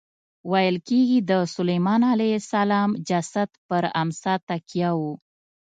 ویل کېږي د سلیمان علیه السلام جسد پر امسا تکیه و.